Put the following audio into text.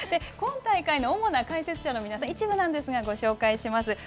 今大会の主な解説者の皆さん、一部なんですが、ご紹介します。